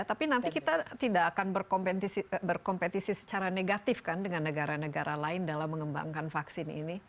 tapi nanti kita tidak akan berkompetisi secara negatif kan dengan negara negara lain dalam mengembangkan vaksin ini